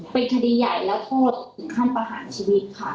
เป็นคดีใหญ่และโทษถึงขั้นประหารชีวิตค่ะ